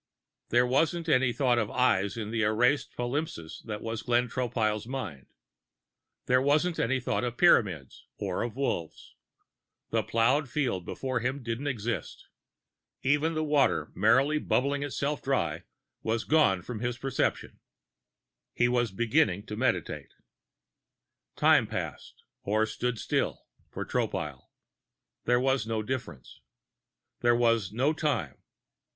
There wasn't any thought of Eyes in the erased palimpsest that was Glenn Tropile's mind. There wasn't any thought of Pyramids or of Wolves. The plowed field before him didn't exist. Even the water, merrily bubbling itself dry, was gone from his perception. He was beginning to meditate. Time passed or stood still for Tropile; there was no difference. There was no time.